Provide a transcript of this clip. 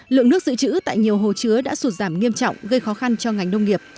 lượng nước dự trữ tại nhiều hồ chứa đã sụt giảm nghiêm trọng gây khó khăn cho ngành nông nghiệp